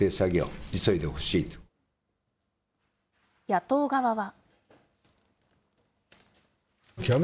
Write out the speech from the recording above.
野党側は。